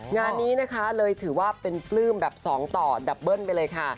งานนี้นะคะเลยถือว่าเป็นปลื้มแบบสองต่อดับเบิ้ลไปเลยค่ะ